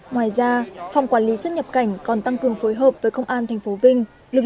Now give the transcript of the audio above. ngoài ra phòng quản lý xuất nhập cảnh còn tăng cường phối hợp với công an tp vinh lực lượng công an phường